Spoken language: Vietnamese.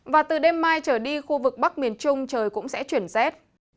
và từ đêm mai trở đi khu vực bắc miền trung trời cũng sẽ chuyển rét